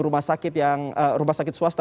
rumah sakit yang rumah sakit swasta